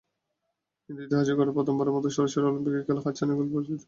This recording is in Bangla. কিন্তু ইতিহাস গড়ে প্রথমবারের মতো সরাসরি অলিম্পিকে খেলার হাতছানি গলফার সিদ্দিকুর রহমানের।